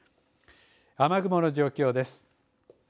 雨雲の状況です。